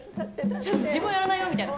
ちょっと自分はやらないよみたいな。